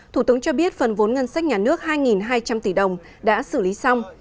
thủ tướng cho biết phần vốn ngân sách nhà nước hai hai trăm linh tỷ đồng đã xử lý xong